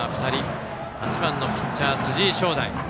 打席は８番ピッチャー、辻井翔大。